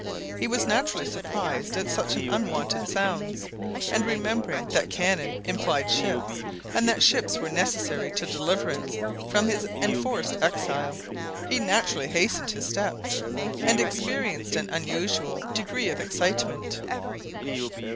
He was naturally surprised at such unwonted sounds, and, remembering that cannon implied ships, and that ships were necessary to deliverance from his enforced exile, he naturally hastened his steps, and experienced an unusual degree of excitement.